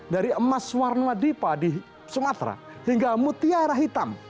dari emas warna dipa di sumatera hingga mutiara hitam